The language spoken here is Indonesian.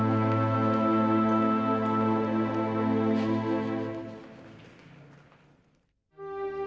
sekarang bawa masuk ke dalam